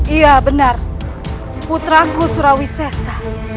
iya benar putraku surawi sesa